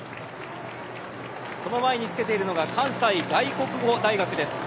その前につけているのが関西外国語大学です。